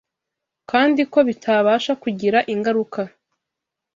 kandi ko bitabasha kugira ingaruka